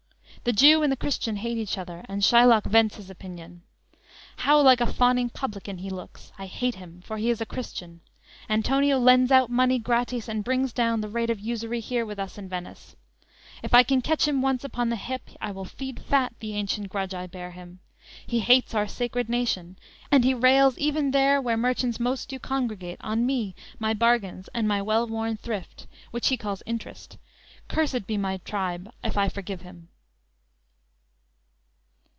The Jew and the Christian hate each other; and Shylock vents his opinion: _"How like a fawning publican he looks! I hate him, for he is a Christian; Antonio lends out money gratis and brings down The rate of usury here with us in Venice. If I can catch him once upon the hip, I will feed fat the ancient grudge I bear him. He hates our sacred nation; and he rails, Even there where merchants most do congregate, On me, my bargains, and my well worn thrift, Which he calls interest; cursed be my tribe If I forgive him!"